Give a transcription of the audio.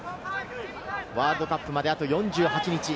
ワールドカップまであと４８日。